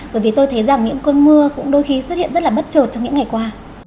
bởi vì tôi thấy rằng những cơn mưa cũng đôi khi xuất hiện rất là bất chợt trong những ngày qua